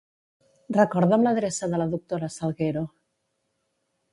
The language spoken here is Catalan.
Recorda'm l'adreça de la doctora Salguero.